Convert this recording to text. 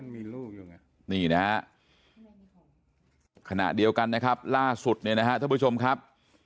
มีรูปนี่นะคณะเดียวกันนะครับล่าสุดนะช่วยชมครับ